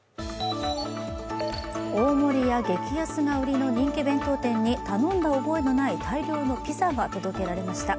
大盛りや激安が売りの人気弁当店に頼んだ覚えのない大量のピザが届けられました。